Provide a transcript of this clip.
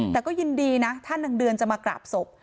แต่ก็ยินดีนะถ้านางเดือนจะมากราบศพ